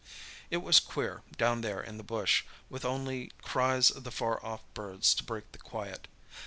It was queer, down there in the bush, with only cries of far off birds to break the quiet.